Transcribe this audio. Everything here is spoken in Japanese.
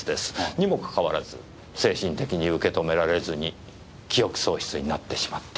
にもかかわらず精神的に受け止められずに記憶喪失になってしまった。